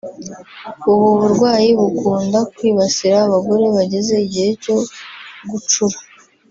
ubu burwayi bukunda kwibasira abagore bageze igihe cyo gucura